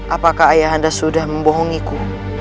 apakah ayahanda sudah membohongiku